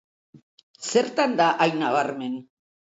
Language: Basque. Zertan da hain nabarmen?